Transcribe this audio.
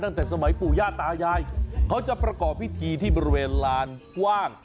ตั้งแต่สมัยปู่ย่าตายายเขาจะประกอบพิธีที่บริเวณลานกว้าง